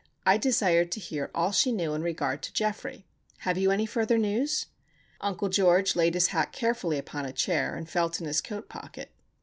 "I desired to hear all she knew in regard to Geoffrey. Have you any further news?" Uncle George laid his hat carefully upon a chair, and felt in his coat pocket.